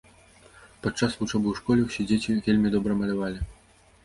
Падчас вучобы ў школе ўсе дзеці вельмі добра малявалі.